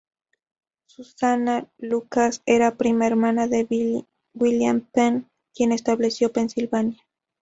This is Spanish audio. Susannah Lucas era prima hermana de William Penn, quien estableció Pensilvania.